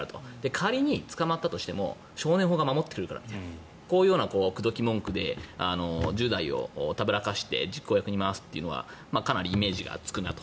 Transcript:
仮に捕まったとしても少年法が守ってくれるからというような口説き文句で１０代をたぶらかせて実行役に回すのはかなりイメージがつくなと。